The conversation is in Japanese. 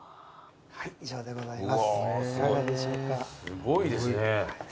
すごいですね。